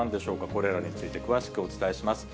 これらについて詳しくお伝えします。